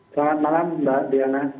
selamat malam mbak diana